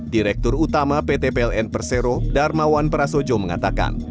direktur utama pt pln persero darmawan prasojo mengatakan